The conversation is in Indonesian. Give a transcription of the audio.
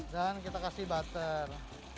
dan kita kasih butter